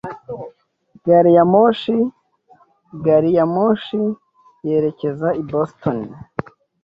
Gari ya moshi gari ya moshi yerekeza i Boston?